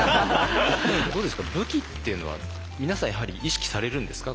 どうですか武器っていうのは皆さんやはり意識されるんですか？